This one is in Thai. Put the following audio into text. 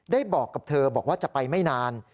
บอกกับเธอบอกว่าจะไปไม่นาน